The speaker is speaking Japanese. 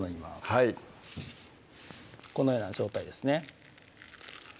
はいこのような状態ですね